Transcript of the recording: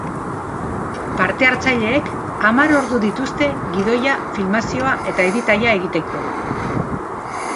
Partehartzaileek hamar ordu dituzte gidoia, filmazioa eta editaia egiteko.